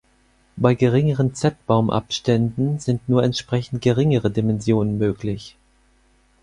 Bei geringeren Z-Baumabständen sind nur entsprechend geringere Dimensionen möglich.